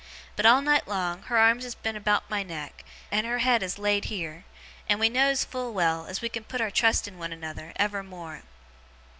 But, all night long, her arms has been about my neck; and her head has laid heer; and we knows full well, as we can put our trust in one another, ever more.